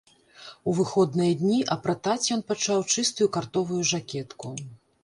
У выходныя дні апратаць ён пачаў чыстую картовую жакетку.